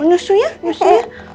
menusu ya menusu ya